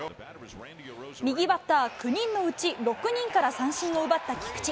右バッター９人のうち、６人から三振を奪った菊池。